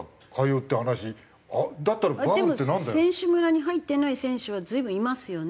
でも選手村に入ってない選手は随分いますよね。